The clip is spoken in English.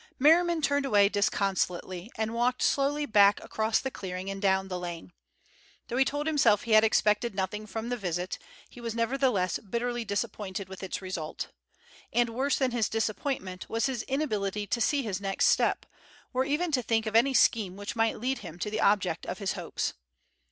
Merriman turned away disconsolately, and walked slowly back across the clearing and down the lane. Though he told himself he had expected nothing from the visit, he was nevertheless bitterly disappointed with its result. And worse than his disappointment was his inability to see his next step, or even to think of any scheme which might lead him to the object of his hopes.